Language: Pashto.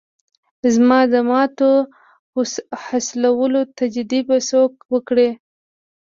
زما د ماتو حوصلو تجدید به څوک وکړي.